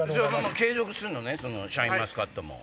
継続するのねシャインマスカットも。